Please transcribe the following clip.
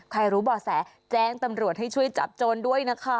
รู้บ่อแสแจ้งตำรวจให้ช่วยจับโจรด้วยนะคะ